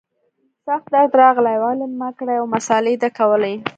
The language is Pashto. سخت درد راغلى و علم ما کړى او مسالې ده کولې.